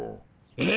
え？